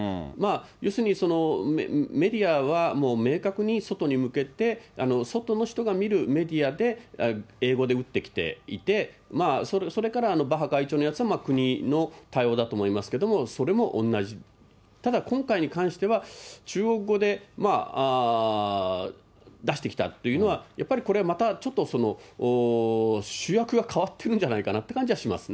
要するに、メディアはもう明確に外に向けて、外の人が見るメディアで、英語で打ってきていて、それからバッハ会長のやつは国の対応だと思いますけども、それも同じ、ただ今回に関しては、中国語で出してきたというのは、やっぱりこれはまた、ちょっと主役が変わってるじゃないかなという気はしますね。